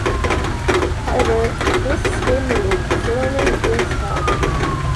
However, this spin move slowly drains health.